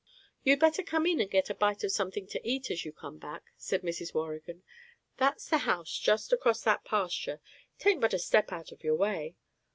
"You'd better come in and get a bite of something to eat as you come back," said Mrs. Waurigan. "That's the house just across that pasture. 'T ain't but a step out of your way."